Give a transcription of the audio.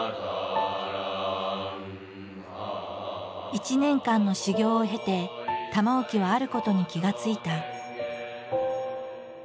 １年間の修行を経て玉置はあることに気が付いた。